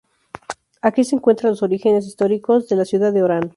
Aquí se encuentran los orígenes históricos de la ciudad de Orán.